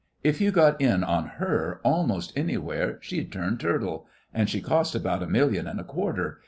If you got in on her almost anywhere she'd turn turtle. And she cost about a million and a quarter.